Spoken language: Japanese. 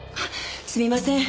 すみません。